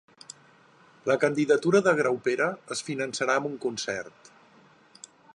La candidatura de Graupera es finançarà amb un concert